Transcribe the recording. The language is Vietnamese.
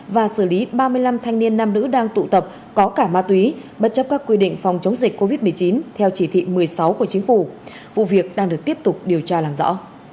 và xử lý ba mươi năm thanh niên nam nữ đang tụ tập có cả ma túy bất chấp các quy định phòng chống dịch covid một mươi chín theo chỉ thị một mươi sáu của chính phủ vụ việc đang được tiếp tục điều tra làm rõ